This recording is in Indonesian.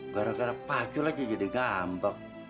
gara gara pacu aja jadi ngambek